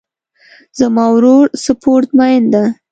زما ورور سپورټ مین ده